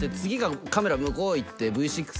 カメラ向こう行って。